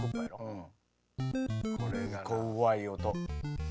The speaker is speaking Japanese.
うん。